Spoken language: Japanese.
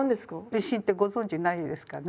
運針ってご存じないですかね？